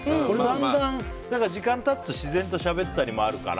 だんだん時間が経つと自然としゃべったりもあるから。